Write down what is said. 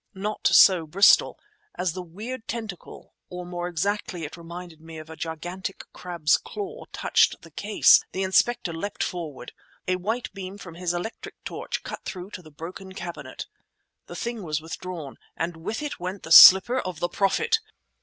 Not so Bristol. As the weird tentacle (or more exactly it reminded me of a gigantic crab's claw) touched the case, the Inspector leapt forward. A white beam from his electric torch cut through to the broken cabinet. The thing was withdrawn ... and with it went the slipper of the Prophet.